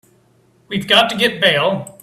We've got to get bail.